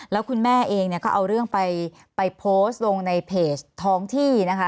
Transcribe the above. แล้วคุณแม่เองเนี่ยก็เอาเรื่องไปโพสต์ลงในเพจท้องที่นะคะ